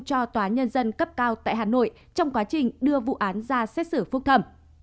cho tòa nhân dân cấp cao tại hà nội trong quá trình đưa vụ án ra xét xử phúc thẩm